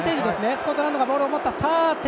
スコットランドがボールを持った。